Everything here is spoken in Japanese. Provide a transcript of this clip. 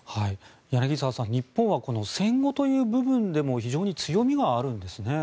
柳澤さん、日本はこの戦後という部分でも非常に強みはあるんですね。